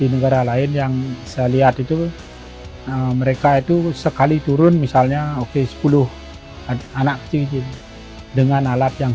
di negara lain yang saya lihat itu mereka itu sekali turun misalnya oke sepuluh anak kecil dengan alat yang